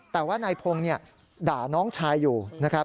แต่ว่านายพงศ์ด่าน้องชายอยู่